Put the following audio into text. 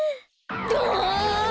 どわ！